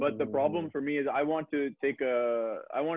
tapi masalahnya buat gue adalah